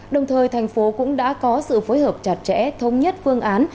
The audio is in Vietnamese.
đồng thời thành phố cũng đã có sự phối hợp chặt chẽ thống nhất phương án